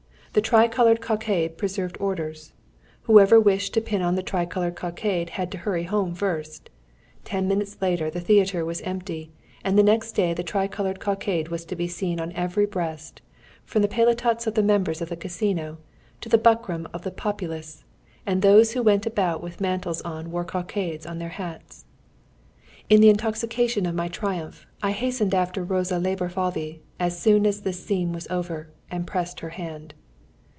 The tricoloured cockade preserved order. Whoever wished to pin on the tricoloured cockade had to hurry home first. Ten minutes later the theatre was empty, and next day the tricoloured cockade was to be seen on every breast, from the paletots of the members of the Casino to the buckram of the populace, and those who went about with mantles on wore the cockade in their hats. [Footnote 54: The Nobles' club.] In the intoxication of my triumph I hastened after Rosa Laborfalvy as soon as this scene was over, and pressed her hand.